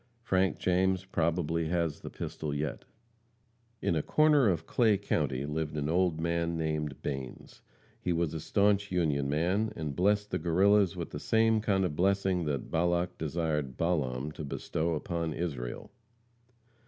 Frank James probably has the pistol yet. In a corner of Clay county lived an old man named Banes. He was a staunch Union man, and blessed the Guerrillas with the same kind of blessing that Balak desired Balaam to bestow upon Israel.